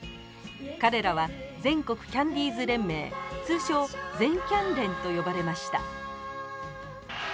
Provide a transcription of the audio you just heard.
彼らは全国キャンディーズ連盟通称全キャン連と呼ばれました。